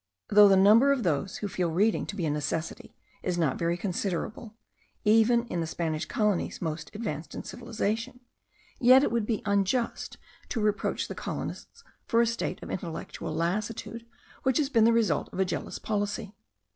Though the number of those who feel reading to be a necessity is not very considerable, even in the Spanish colonies most advanced in civilization, yet it would be unjust to reproach the colonists for a state of intellectual lassitude which has been the result of a jealous policy.